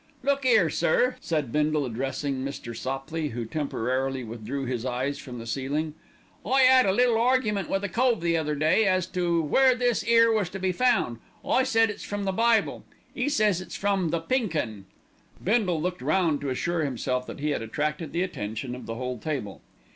"Look 'ere, sir!" said Bindle, addressing Mr. Sopley, who temporarily withdrew his eyes from the ceiling. "I 'ad a little argument with a cove the other day, as to where this 'ere was to be found. I said it's from the Bible, 'e says it's from The Pink 'Un." Bindle looked round to assure himself that he had attracted the attention of the whole table.